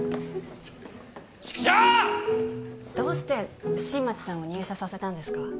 チクショーどうして新町さんを入社させたんですか？